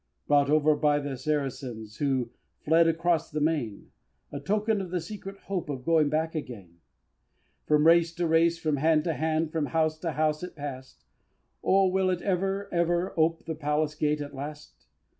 Brought over by the Saracens Who fled accross the main, A token of the secret hope Of going back again; From race to race, from hand to hand, From house to house it pass'd; O will it ever, ever ope The Palace gate at last?